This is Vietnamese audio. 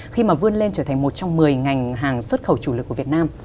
khi mà vươn lên trở thành một trong một mươi ngành hàng xuất khẩu chủ lực của việt nam